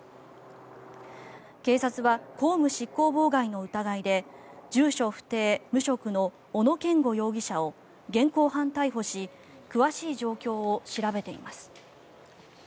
警察は公務執行妨害の疑いで住所不定・無職の小野健吾容疑者を現行犯逮捕し詳しい状況を調べています。